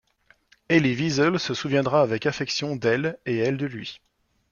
Elie Wiesel se souviendra avec affection d'elle et elle de lui.